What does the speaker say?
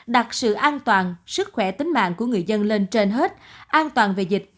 đặt sự an toàn sức khỏe tính mạng của người dân lên trên hết an toàn về dịch